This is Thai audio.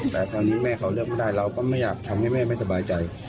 แต่ตอนนี้แม่เขาเลือกไม่ได้เราก็ไม่อยากทำให้แม่ไม่สบายใจ